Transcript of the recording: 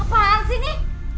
apaan sih ini